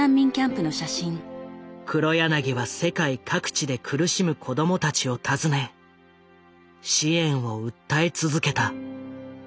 黒柳は世界各地で苦しむ子供たちを訪ね支援を訴え続けた。